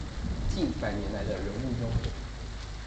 近百年來的人物中